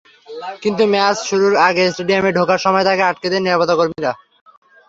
কিন্তু ম্যাচ শুরুর আগে স্টেডিয়ামে ঢোকার সময় তাঁকে আটকে দেন নিরাপত্তাকর্মীরা।